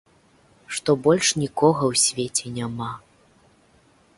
Што больш нікога ў свеце няма.